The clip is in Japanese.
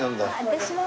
私も。